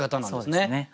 そうですね。